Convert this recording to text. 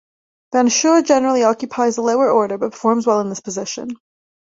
Van Schoor generally occupies the lower order, but performs well in this position.